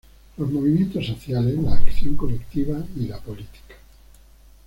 Los movimientos sociales, la acción colectiva y la política".